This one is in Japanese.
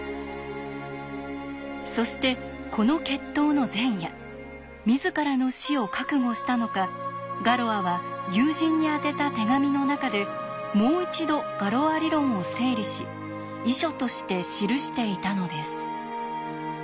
そしてこの決闘の前夜自らの死を覚悟したのかガロアは友人に宛てた手紙の中でもう一度ガロア理論を整理し遺書として記していたのです。